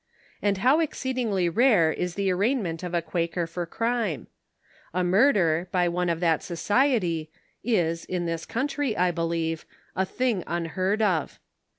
And how exceedingly rare is the arraignment of a Quaker for crime ! A murder, by one of that Society, is, in this country, I believe, a thing unheard of.